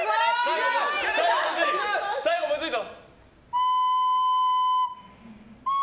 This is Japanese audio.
最後むずいぞ。